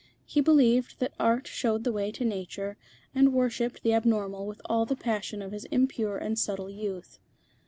He believed that Art showed the way to Nature, and worshipped the abnormal with all the passion of his impure and subtle youth.